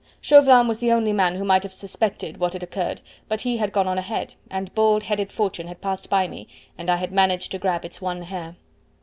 Chauvelin was the only man who might have suspected what had occurred, but he had gone on ahead, and bald headed Fortune had passed by me, and I had managed to grab its one hair.